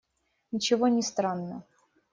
Ничего не странно.